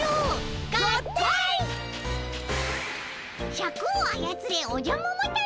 シャクをあやつれおじゃ桃太郎。